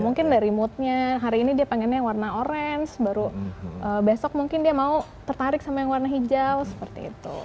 mungkin dari moodnya hari ini dia pengennya warna orange baru besok mungkin dia mau tertarik sama yang warna hijau seperti itu